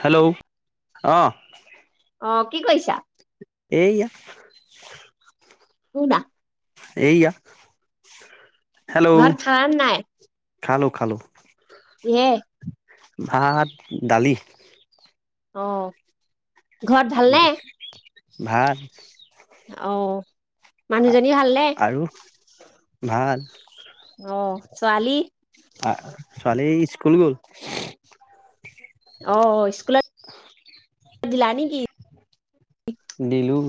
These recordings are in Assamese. হেল্ল' অহ। অঁ, কি কৰিছা? এইয়া [unintelligible] [unintelligible] এয়া। ভাত খালান নাই? খালো খালো। কিহেৰে? ভাত দালি। অঃ ঘৰত ভালনে? ভাত অহ আৰু, ভাল? [inaudible] অ ছোৱালি? ছোৱালী স্কুল গ'ল। অ স্কুলত দিলা নেকি দিলোঁ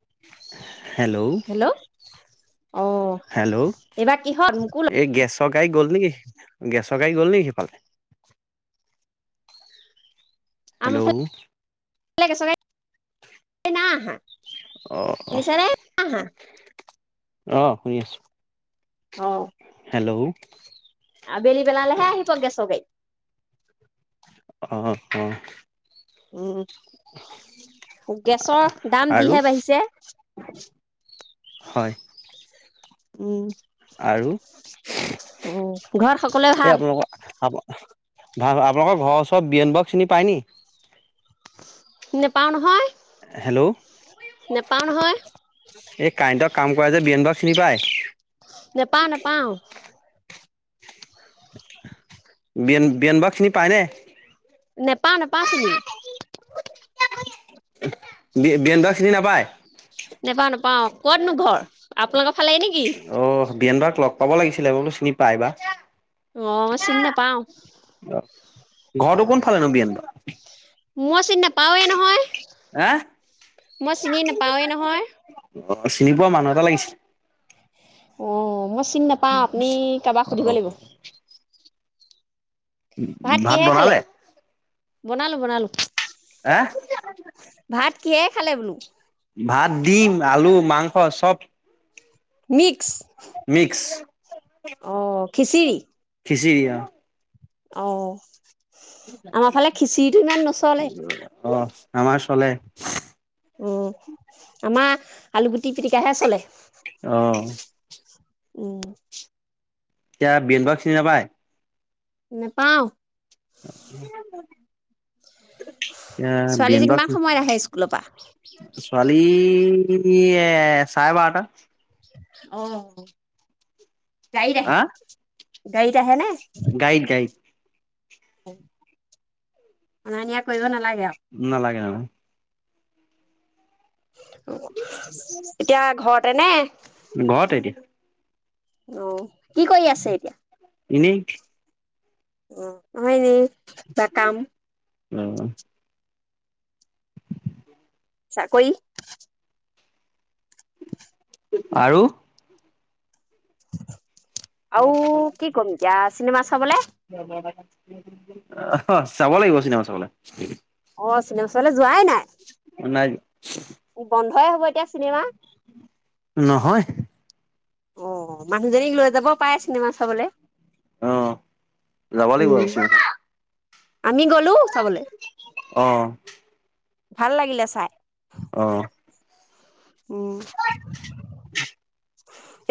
[unintelligible] হেল্ল' অ হেল্ল'। এইবাৰ কিহত মোকো ল এই গেছ গাৰি গ'ল নেকি? গেছৰ গাৰি গ'ল নেকি সিফালে? হেল্ল'। বোলে গেছৰ গাড়ী নাই অহা অ নিচাৰে নাই অহা অহ শুনি আছো অ হেল্ল' আবেলি বেলালেহে আহিব গেছৰ গাড়ী অহ অহ উম গেছৰ দাম আৰু যিহে বাঢ়িছে হয় উম আৰু অ ঘৰত সকলোৱে এই ভাল আপোনালোকৰ আ ভাল আপোনালোকৰ ঘৰৰ ওচৰত বিয়েন বৰুৱাক চিনি পায় নেকি নেপাওঁ নহয় হেল্ল' নেপাওঁ নহয় এই কাৰেণ্টৰ কাম কৰে যে বিয়েনদ চিনি পায় নাপাওঁ নাপাওঁ বিয়েন বৰুৱাক চিনি পায়নে নেপাওঁ নেপাওঁ চিনি বি বিয়েন দাক চিনি নাপায় নেপাও নেপাওঁ কতনো ঘৰ আপোনালোক অ বিয়েন বৰুৱাক লগ পাব লাগিছিলে মই বোলো চিনি পাই বা অ চিনি নাপাওঁ অহ ঘৰতো কোনফালে নো বিয়েন বৰুৱা মই চিনি নাপাওৱে নহয় হা মই চিনি নাপাওঁৱে নহয় অ চিনি পোৱা মানুহ এটা লাগিছিল অ ম চিন নাপাও আপুনি কাৰোবাক সুধিব লাগিব অ', উ ভাত কিহে খালে বনালে বনালো বনালো আহ কিয় খালে বোলো ভাত দিম আলু মাংস চব মিক্স মিক্স অ খিচিৰি খিচি দা [unintelligible] অ- আমাৰ ফালে খিচিৰিটো ইমান নচলে অ- আমাৰ চলে। উম আমাৰ আলুগুটি পিটিকাহে চলে। অ- উম [inaudible] এতিয়া বিল ব [unintelligible] চিনি নাপায়। নেপাওঁ। উ [unintelligible] ছোৱালীজনী এ-বিৰেনদা কিমান ৰ। সময়ত আহে স্কুলৰ পৰা ছোৱালী এ--চাৰে বাৰটা। অ- গাড়ীত আহে। গাড়ীত- আহে নে গাড়ীত-গাড়ীত। অনা- নিয়া কৰিব নালাগে। আৰু নালাগে-নালাগে। এতিয়া- ঘৰত। তনে [unintelligible] ঘৰতে এতিয়া। অ- কি কৰি আছে এতিয়া? এনেই- হয় নি? কিবা কাম- অ', চাকৰী- আৰু? [inaudible] আও কি কম এতিয়া চিনেমা চাবলে? অহ অ যাব লাগিব চিনেমা চাবলৈ। অ- চিনেমা চাবলে যোৱাই নাই? নাইযোৱা- বন্ধই হ'ব এতিয়া চিনেমা। নহয় অ মানুহজনীক লৈ যাব পাৰে চিনেমা- চাবলে। অ- যাব লাগিব উম আৰু। আমি গ'লো চাবলে অ ভাল লাগিলে চাই আহ উম [unintelligible]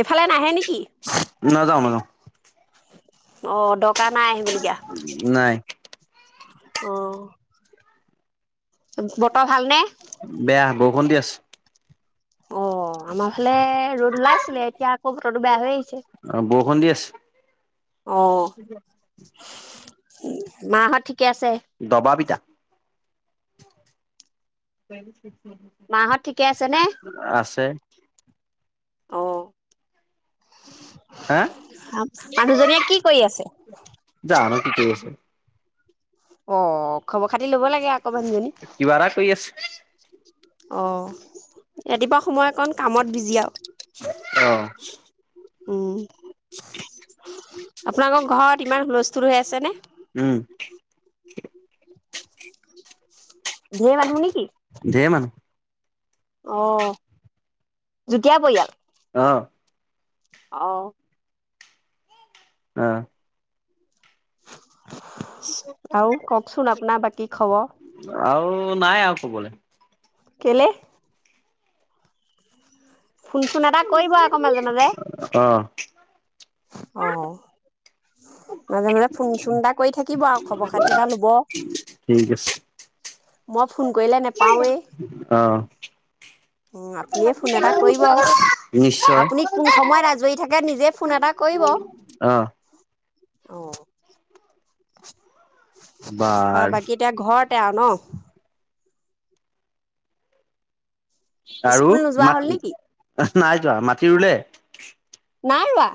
এইফালে নাহে নেকি? কি নাযাওঁ নাযাওঁ অ ডক দৰকা নাই আহিবলগীয়া নাই অ বতৰ ভালনে বেয়া বৰষুণ দি আছে অ আমাৰ ভা লে ৰ'দ ওলাইছিলে এতিয়া আকৌ বতৰটো বেয়া হৈ আহিছে বৰষুণ দি আছে উ উ হেৰী মাহঁত ঠিক দবাপিতা [inaudible] মাহঁত ঠিকে আছে নে আছে অঁ হা আপ মানুহজনীয়ে কি কৰি আছে জানো কি কৰি আছে অ খবৰ খাতি ল'ব লাগে আক কিবা এটা কৰি আছে। অঁ ৰাতিপুৱা সময়কণ কামত বিজি আৰু। অঁ। উম। [inaudible] আপোনালোকৰ ঘৰত ইমান হুলস্থুল হৈ আছে নে? উম। ঢেৰ মানুহ নেকি? ঢেৰ মানুহ। অঁ যুটীয়া পৰিয়াল? অঁ। অঁ। অঁ। আৰু কওকচোন আপোনাৰ বাকী খবৰ? আৰু নাই আৰু কবলে। কেলে? শুনচোন এাদটা কৰিব আকৌ মাজে-মাজে। অ অ', মাজে-মাজে ফোন চোন এটা কৰি থাকিব আৰু খবৰ খাতি এটা লব। ঠিক আছে মই ফোন কৰিলে নেপাৱে। অ উম আপুনিয়ে ফোন এটা কৰিব, নিশ্চয় আপুনি কোন সময়ত আজৰি থাকে নিজে ফোন এটা কৰিব। অ'। অ বাৰু বা-বাকী এতিয়া ঘৰত তে আৰু ন? আৰু স্কুল নোযোৱা মাত হ'ল নেকি? নাই যোৱা, মাটি ৰুলে? নাৰোৱাা।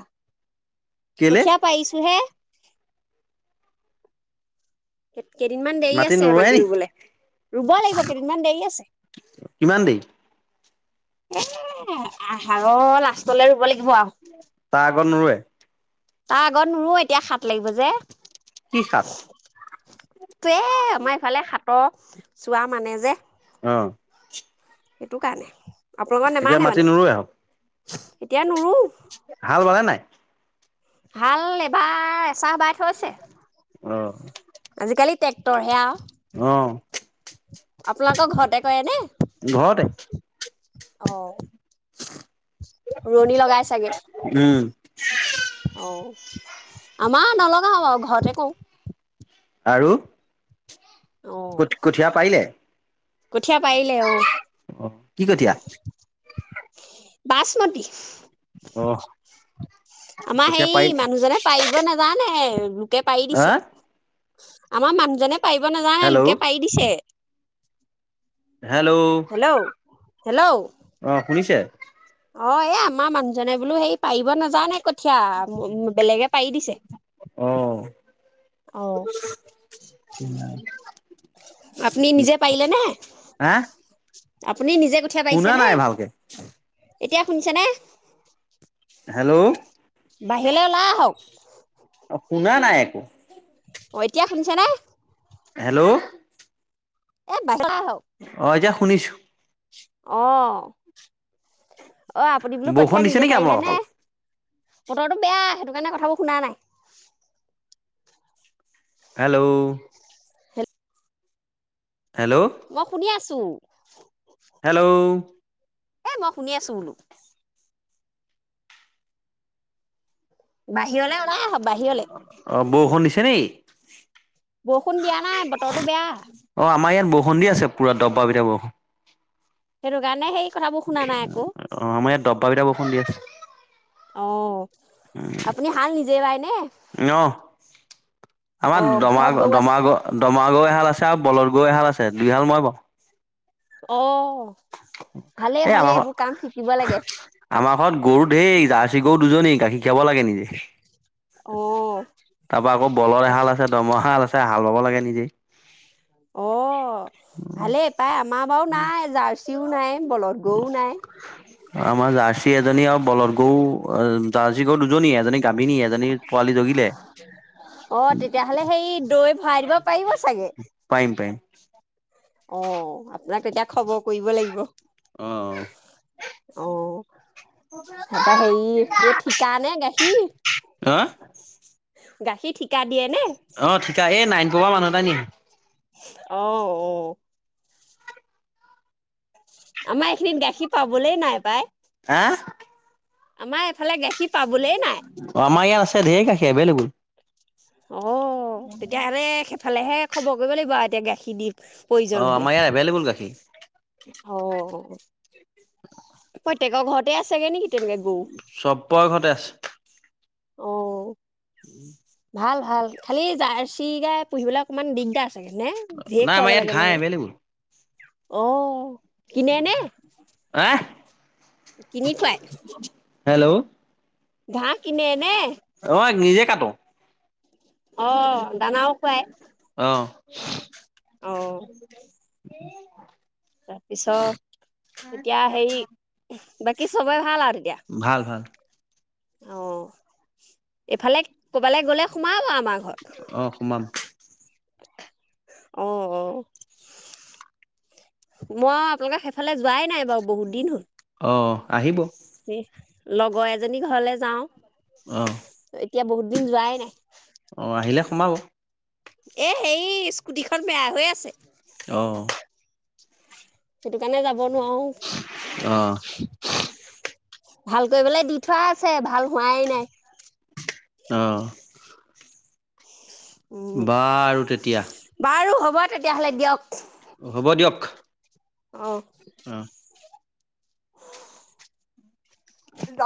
কেলে কঠীয়াা পাৰিছো হে [inaudible] কেইদিনমান দেৰি আছে নোৰোৱে মাটি নি ৰুবলৈ, ৰুব লাগিব, কেইদিনমান দেৰি আছে। কিমান দেৰি এ' আহাৰ লাষ্টলে ৰুব লাগিব আৰ তাৰ আগত নোৰোৱে তাৰ আগত নোৰো এতিয়া, হাত লাগিব যে। কি খাপ? তে আমাৰ ইফালে হাতৰ চোৱা মানে যে। অ'। সেইটো কাৰণে। আপোনালোকৰ এতিয়া নেমানে মাটি মানে নুৰৱে আৰু, এতিয়া নোৰো হাল বালে নাই? হাল এবাৰ এচাহ বাই থৈছে। অ, ' আজিকালি ট্ৰেক্টৰ হে আও। অ আপোনালোকৰ ঘৰতে কৰে নে? ঘৰতে। অ, ' ৰোৱণী লগাই চাগে, [unintelligible] অ', আমাৰ নলগা আও ঘৰতে কওঁ। আৰু অ ক-কঠীয়া পাৰিলে। কঠীয়া পাৰিলে অঔ। অ কি কঠিয়া? বাসমতী। অ আমাৰ কঠীয়া সেই পাৰিলে মানুহজনে পাৰিব নাজানে, লোকে পাৰি হা দিছে। আমাৰ মানুহজনে পাৰিব নাজানে হেল্ল' লোকে পাৰি দিছে। হেল্ল'! হেল্ল' হেল্ল' অ' শুনিছে? অ' এই আমাৰ মানুহজনে বোলো, হেৰি পাৰিব নাজানে কঠীয়া, বেলেগে পাৰি দিছে। অ অ! আপুনি নিজে পাৰিলে নে? হা আপুনি নিজে কঠীয়া শুনা পাৰিছেনে নাই ভালকে। এতিয়া শুনিছেনে? হেল্ল'! বাহিৰলৈ ওলাই আহক। অ! শুনা নাই একো। অ'এতিয়া শুনিছেনে? হেল্ল'! এ বাই অ' এতিয়া শুনিছোঁ। অ! অ! আপুনি বোলো বৰষুণ কঠীয়া দিছে নিজে নেকি পাৰিলে আপোনালোকৰ নে? ফালে বতৰটো বেয়া, সেইটো কাৰণে কথাবোৰ শুনা নাই। হেল্ল'! হেল্ল' মই শুনি আছো। টো হেল্ল'! এ! মই শুনি আছো বোলো। বাহিৰলৈ ওলাই আহক, বাহিৰলৈ। নি দিয়া নাই বতৰটো [unintelligible] বেয়া অ' আমাৰ ইয়াত বৰষুণ দি আছে পুৰা। দবা পিতা বৰষুণ। সেইটোকাৰণে সেই কথাবোৰ শুনা নাই আকৌ অ' আমাৰ ইয়াত দব্বাবপিটা বৰষুণ দি আছে। অ! আপুনি হাল নিজে বাই নে অ! অ আমাৰ দম ঘৰত গৰু আছে দমৰা দমৰা গৰু এহাল আছিল। আৰু বলদ গৰু এহাল আছে, দুইহাল মই বওঁ। আহ এ আমাৰ লাগে ঘৰত আমাৰ ঘৰত গৰু ঢেৰ জাৰ্চি গৰু দুজনী গাখীৰ খীৰাব লাগে নিজে অ তাৰ পৰাা আকৌ বলৰ এশাল আছে দমহাল আছে চ হাল হাব লাগে নিজেই অ ভালেই প্ৰায় আমাৰ বাৰু নাই জাৰ্চিও নাই বলধ গও নাই আমাৰ জাৰ্চী এজনী আৰু বলৰগও অ দাৰী গৰ দুজনী এজনী গামিনী এজনী পোৱালী জগিলে অ তেতিয়াহ'লে সেই দৈ ভৰাই দিব পাৰিব চাগে পাইম পাইম অ তাক তেতিয়া খবৰ কৰিব লাগিব অ তাৰপৰা হেৰি এই ঠিকা নে গাখীৰ হা গাখীৰ ঠিকাই অ ঠিকা এই নাইন পবা মানুহ এ নি অ অঔ আমাৰ এইখিনিত গাখীৰ পাবলে নাই পাই হা আমাৰ এফালে গাখীৰ পাব অমাৰ ই আছে ঢেৰ কাষে এভেইলেবল অ তেতিয়াাৰে খ ফালেহে খবৰ কৰিব লাগিব আৰু এতিয়া গাখীৰ দি প্ৰয়োজন অ হ'লে আমাৰ ইয়াত এভেইলেবল গাখীৰ প্ৰত্যয়েকৰ ঘৰতে আছোগে নেকি তেনেকে গৰু চব বয় ঘতে আছে অ ভাল ভাল খালি জাৰ্চি গাই পুহিবলৈ অকমান দিগদাৰ আ নে ভেক নাই আমাৰ খুৱাব ইয়াত লাগে ঘাঁহ নহয় এভেইলেবল আহ কিনেনে হ কিনি খুৱাই হেল্ল' ঘা কিনে নে অ নিজে কটো অ দানাও খুৱাই আহ [inaudible] কি অ তাৰপিছত তেতিয়া হেৰি বাকী চবেই ভাল আ ভাল ভাল অ এইফালে কবালৈ গলে সোমাও আ অ সোমাম অ অ মই আপোনালোকৰ সেইফালে যোৱাই নাই। ব বহুত দিন হ'ল। অ আহিব লগৰ এজনী ঘৰলে যাও। অ এতিয়া বহুত দিন যোৱাই নাই। অ আহিলে সোমাব এ সেই স্কুটিখন বেয়া হৈ আছে। অ সেইটো কাৰণে যাম। অ ভাল কৰিবলৈ দি থোৱা আছে ভাল হোৱাই নাই। অ উম, বাৰু তেতিয়া বাৰু হ'ব তেতিয়াহ'লে দিয়ক। হ'ব দিয়ক অঁ অ [inaudible]